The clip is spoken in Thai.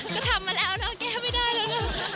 ก็ทำมาแล้วนะแก้ไม่ได้แล้วนะ